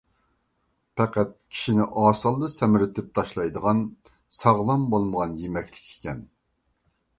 پەقەت كىشىنى ئاسانلا سەمرىتىپ تاشلايدىغان ساغلام بولمىغان يېمەكلىك ئىكەن.